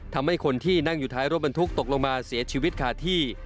ทำให้คนที่นั่งอยู่ท้ายรถบรรทุกตกลงมาเสียชีวิตขาดที่